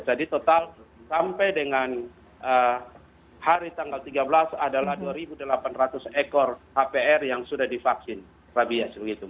jadi total sampai dengan hari tanggal tiga belas adalah dua delapan ratus ekor hpr yang sudah divaksin rabies